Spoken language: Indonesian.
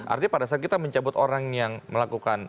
artinya pada saat kita mencabut orang yang melakukan